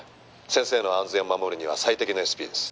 「先生の安全を護るには最適のＳＰです」